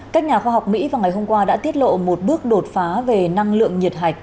các nhà khoa học mỹ vào ngày hôm qua đã tiết lộ một bước đột phá về năng lượng nhiệt hạch